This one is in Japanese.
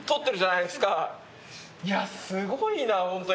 いやすごいなホントに。